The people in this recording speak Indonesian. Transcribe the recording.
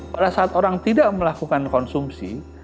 pada saat orang tidak melakukan konsumsi